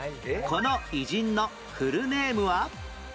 この偉人のフルネームは？